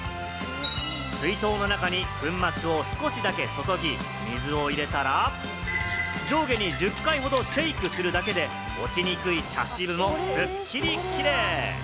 水筒の中に粉末を少しだけ注ぎ、水を入れたら、上下に１０回ほどシェイクするだけで、落ちにくい茶渋もすっきり、キレイ！